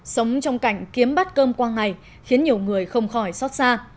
sống trong cảnh kiếm bát cơm qua ngày khiến nhiều người không khỏi xót xa